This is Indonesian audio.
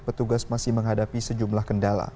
petugas masih menghadapi sejumlah kendala